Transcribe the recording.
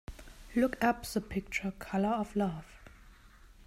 Look up the picture, Colour of Love.